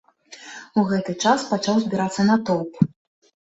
У гэты час пачаў збірацца натоўп.